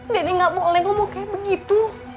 dede gak boleh ngomong kayak begitu